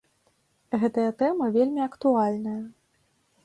Гэтая тэма вельмі актуальная.